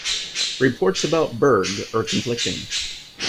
Reports about Berg are conflicting.